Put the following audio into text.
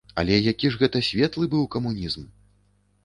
Але які ж гэта светлы быў камунізм!